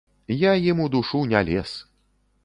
Я ім у душу не лез.